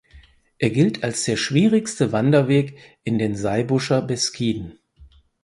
Er gilt als der schwierigste Wanderweg in den Saybuscher Beskiden.